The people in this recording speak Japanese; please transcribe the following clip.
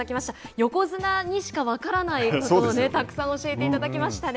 横綱にしか分からないことをたくさん教えていただきましたね。